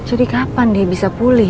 jadi kapan dia bisa pulang